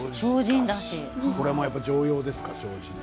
これも常用ですか？